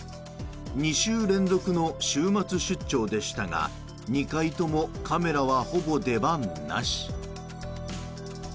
２週連続の週末出張でしたが２回ともカメラはほぼ出番なし。